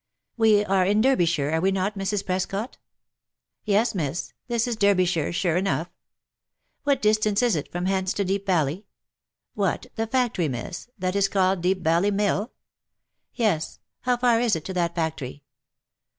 " We are in Derbyshire, are we not, Mrs. Prescot?" " Yes, miss ; this is Derbyshire, sure enough." " What distance is it from hence to Deep Valley ?"" What, the factory, miss, that is called Deep Valley Mill?" " Yes ; how far is it to that factory